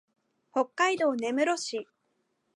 北海道根室市